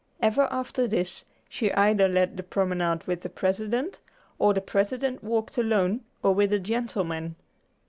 Ever after this, she either led the promenade with the President, or the President walked alone or with a gentleman.